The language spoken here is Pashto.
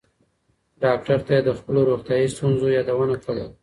ډاکټر ته یې د خپلو روغتیایي ستونزو یادونه کړې وه.